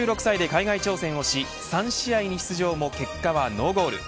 ５６歳で海外挑戦をし、３試合に出場も、結果はノーゴール。